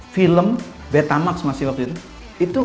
film betamax masih waktu itu